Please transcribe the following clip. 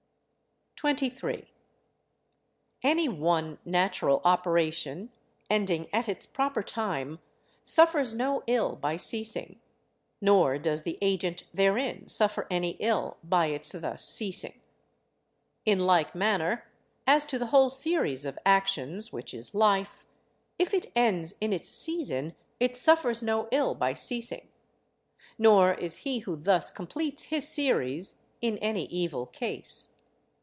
23. Any one natural operation, ending at its proper time, suffers no ill by ceasing, nor does the agent therein suffer any ill by its thus ceasing. In like manner, as to the whole series of actions which is life, if it ends in its season it suffers no ill by ceasing, nor is he who thus completes his series, in any evil case.